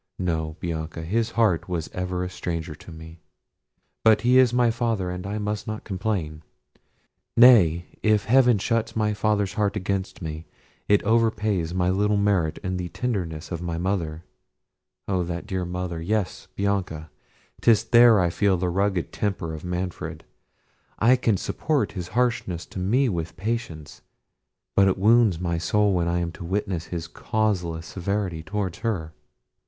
No, Bianca; his heart was ever a stranger to me—but he is my father, and I must not complain. Nay, if Heaven shuts my father's heart against me, it overpays my little merit in the tenderness of my mother—O that dear mother! yes, Bianca, 'tis there I feel the rugged temper of Manfred. I can support his harshness to me with patience; but it wounds my soul when I am witness to his causeless severity towards her."